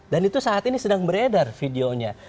dan itu saat ini sedang beredar videonya